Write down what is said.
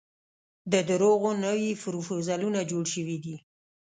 د درواغو نوي پرفوزلونه جوړ شوي دي.